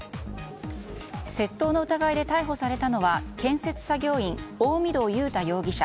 窃盗の疑いで逮捕されたのは建設作業員大御堂雄太容疑者